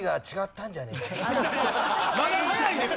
まだ早いです！